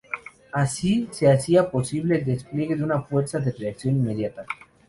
Así, se hacía posible el despliegue de una fuerza de reacción inmediata.